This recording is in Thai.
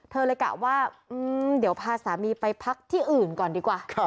เธอเลยกะว่าเดี๋ยวพาสามีไปพักที่อื่นก่อนดีกว่า